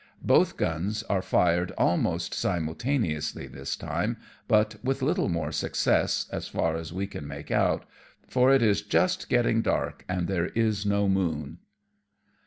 Both guns are fired almost simultaneously this time, but with little more success, as far as we can make out, for it is just getting dark and there is no moon.